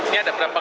ini ada perampakan